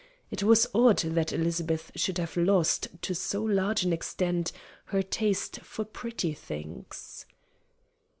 It was odd that Elizabeth should have lost, to so large an extent, her taste for pretty things.